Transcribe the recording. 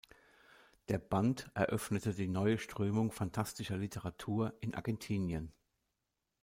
Der Band eröffnete die neue Strömung phantastischer Literatur in Argentinien.